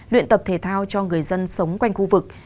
luyện tập thể thao cho người dân sống quanh khu vực